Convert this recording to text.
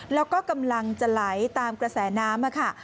แล้วก็กำลังจะไหลตามกระแสน้ำค่ะ